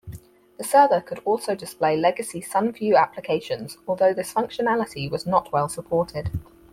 The server could also display legacy SunView applications, although this functionality was not well-supported.